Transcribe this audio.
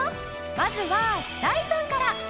まずはダイソンから。